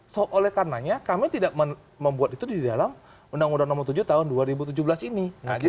so oleh karenanya kami tidak membuat itu di dalam undang undang nomor tujuh tahun dua ribu tujuh belas ini